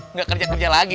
nggak kerja kerja lagi